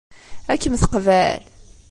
Ad kem-teqbel?